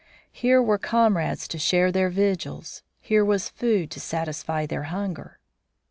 Here were comrades to share their vigils. Here was food to satisfy their hunger.